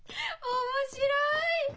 面白い！